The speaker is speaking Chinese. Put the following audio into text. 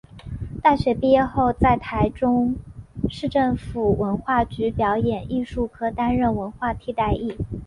大学毕业后在台中市政府文化局表演艺术科担任文化替代役。